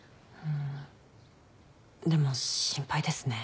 でも心配ですね。